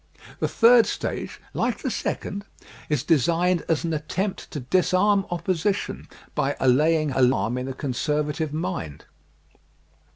The third stage, like the second, is designed as an attempt to disarm opposition by allay ing alarm in the conservative mind.